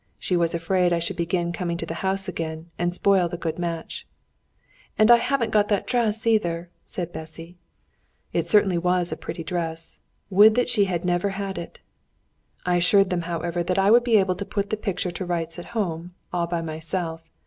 She was afraid I should begin coming to the house again and spoil the good match. "And I haven't got that dress either," said Bessy. It certainly was a pretty dress. Would that she had never had it! I assured them, however, that I would be able to put the picture to rights at home, all by myself.